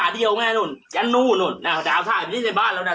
บ้าจุ้หนึ่งมึงให้เก้าลำ